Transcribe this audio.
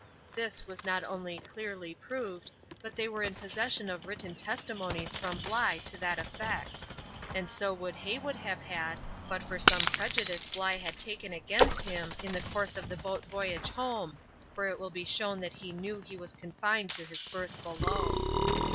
This was not only clearly proved, but they were in possession of written testimonies from Bligh to that effect; and so would Heywood have had, but for some prejudice Bligh had taken against him, in the course of the boat voyage home, for it will be shown that he knew he was confined to his berth below.